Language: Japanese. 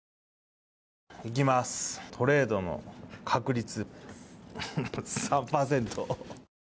トレードの確率３％。